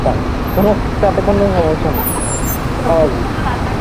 রক্ত ইঁদুরকে আকৃষ্ট করেছে।